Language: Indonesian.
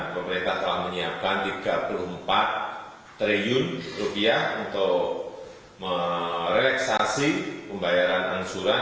pemerintah telah menyiapkan rp tiga puluh empat triliun untuk mereaksasi pembayaran ansuran